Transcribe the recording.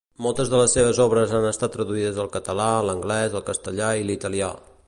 Moltes de les seves obres han estat traduïdes al català, l'anglès, el castellà i l'italià.